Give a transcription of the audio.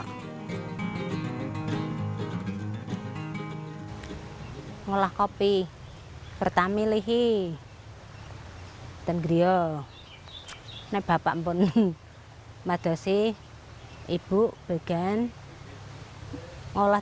ngolah kopi pertama milihi hai dan griyo hai nah bapak pun madosi ibu began ngolah